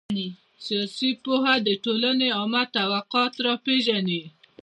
سياسي پوهه د ټولني عامه توافقات را پېژني.